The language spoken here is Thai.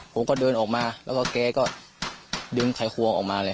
ผมก็เดินออกมาแล้วก็แกก็ดึงไขควงออกมาเลย